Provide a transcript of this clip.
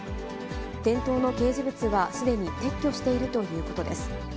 店頭の掲示物はすでに撤去しているということです。